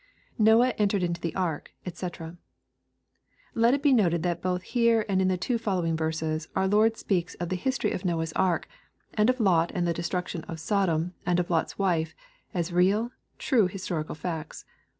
[Nbe entered into the ark, dbc] Let it be noted, that both here and in the two following verses, our Lord speaks of the history of Noah's ark, and of Lot and the destruction of Sodom, and of Lot's wife, as real, true historical facts.